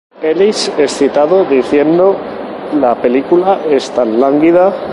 Ellis es citado diciendo: ""La película es tan lánguida.